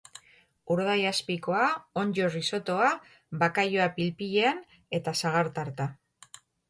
Urdaiazpikoa, onddo risottoa, bakailaoa pil-pilean eta sagar-tarta.